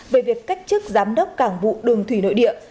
về việc cách chức giám đốc cảng vụ đường thủy nội địa